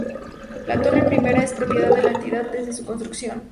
La Torre I es propiedad de la entidad desde su construcción.